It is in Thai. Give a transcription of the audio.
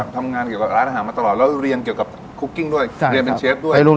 ทำงานเกี่ยวกับร้านอาหารมาตลอดแล้วเรียนเกี่ยวกับคุกกิ้งด้วยเรียนเป็นเชฟด้วย